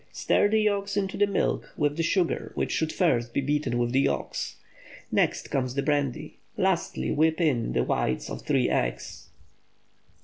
Stir the yolks into the milk with the sugar, which should first be beaten with the yolks. Next comes the brandy. Lastly whip in the whites of three eggs.